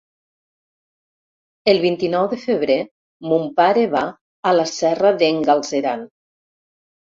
El vint-i-nou de febrer mon pare va a la Serra d'en Galceran.